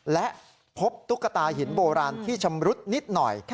และพบตุ๊กตาหินโบราณที่ชำรุดนิดหน่อย